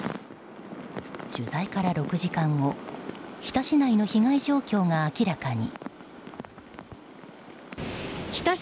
取材から６時間後日田市内の被害状況が明らかに。